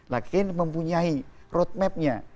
lagi mempunyai road mapnya